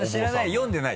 読んでない？